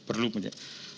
itu perlu punya